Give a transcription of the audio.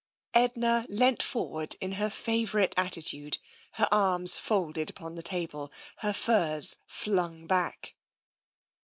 Edna leant forward in her favourite attitude, her arms folded upon the table, her furs flung back.